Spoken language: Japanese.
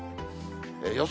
予想